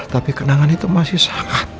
tapi kenangan itu masih sangat